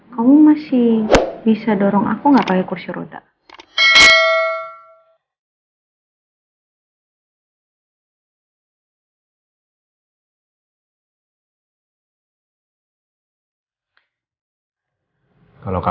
kamu masih bisa dorong aku nggak pakai kursi roda